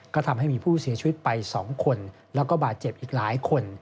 ก็ทำให้มีผู้เสียชีวิตไป๒คนแล้วก็บาดเจ็บอีกหลายคน